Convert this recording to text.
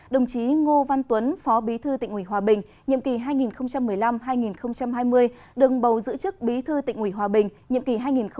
đồng chí ngô văn tuấn phó bí thư tỉnh ủy hòa bình nhiệm kỳ hai nghìn một mươi năm hai nghìn hai mươi đừng bầu giữ chức bí thư tỉnh ủy hòa bình nhiệm kỳ hai nghìn hai mươi hai nghìn hai mươi năm